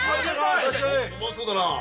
うまそうだなあ！